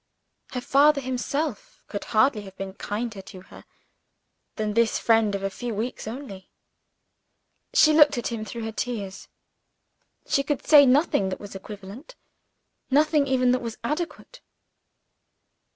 Her father himself could hardly have been kinder to her than this friend of a few weeks only. She looked at him through her tears; she could say nothing that was eloquent, nothing even that was adequate.